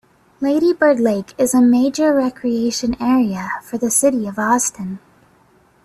Lady Bird Lake is a major recreation area for the City of Austin.